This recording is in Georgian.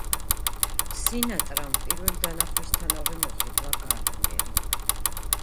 სინატრამ პირველი დანახვისთანავე მოხიბლა გარდნერი.